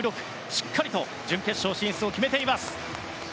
しっかりと準決勝進出を決めています。